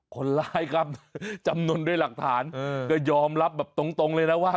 คนร้ายครับจำนวนด้วยหลักฐานก็ยอมรับแบบตรงเลยนะว่า